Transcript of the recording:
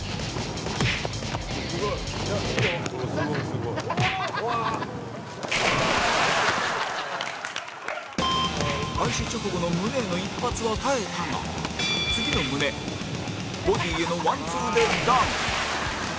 「すごい」開始直後の胸への一発は耐えたが次の胸ボディへのワンツーでダウン